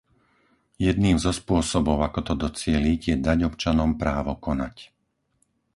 Jedným zo spôsobov, ako to docieliť, je dať občanom právo konať.